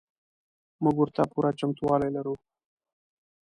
موږ ورته پوره چمتو والی لرو.